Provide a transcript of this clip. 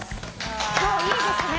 今日いいですね。